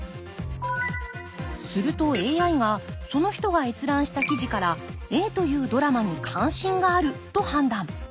するとＡＩがその人が閲覧した記事からＡというドラマに関心があると判断。